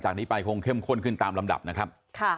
นี้ไปคงเข้มข้นขึ้นตามลำดับนะครับ